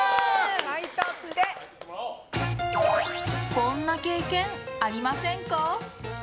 こんな経験ありませんか？